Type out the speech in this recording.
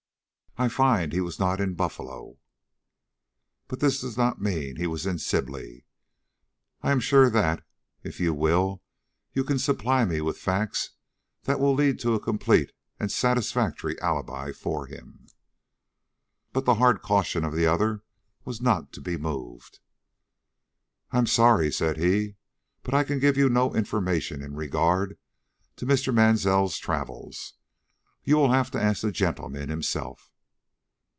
I find he was not in Buffalo. But this does not mean he was in Sibley, and I am sure that, if you will, you can supply me with facts that will lead to a complete and satisfactory alibi for him." But the hard caution of the other was not to be moved. "I am sorry," said he, "but I can give you no information in regard to Mr. Mansell's travels. You will have to ask the gentleman himself."